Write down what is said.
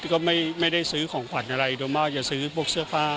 ก็ไม่ได้ซื้อของขวัญอะไรโดยมากจะซื้อพวกเสื้อผ้า